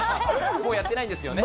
もうやってないんですけどね。